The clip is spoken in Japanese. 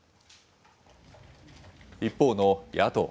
一方の野党。